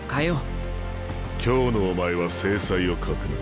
今日のお前は精彩を欠くな。